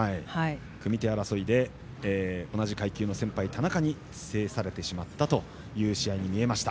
組み手争いで同じ階級の先輩、田中に制されてしまったという試合に見えました。